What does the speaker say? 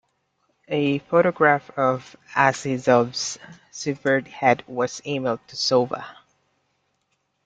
A photograph of Azizov's severed head was emailed to Sova.